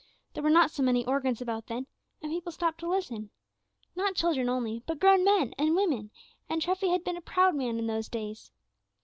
There were not so many organs about then, and people stopped to listen, not children only, but grown men and women, and Treffy had been a proud man in those days.